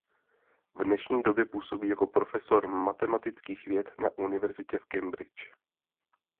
V dnešní době působí jako profesor matematických věd na Univerzitě v Cambridgi.